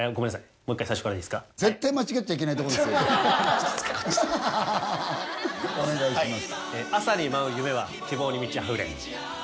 もう一回最初からでいいですかお願いします